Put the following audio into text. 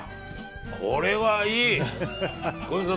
これはいい。